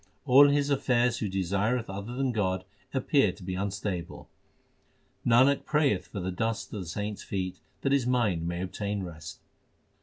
All his affairs who desireth other than God appear to be unstable. Nanak prayeth for the dust of the saints feet that his mind may obtain rest.